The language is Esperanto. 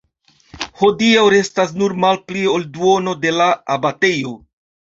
Hodiaŭ restas nur malpli ol duono de la abatejo.